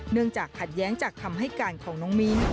เนื่องจากขัดแย้งจากคำให้การของน้องมิ้น